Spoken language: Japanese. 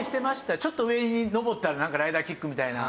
ちょっと上に上ったらなんかライダーキックみたいな。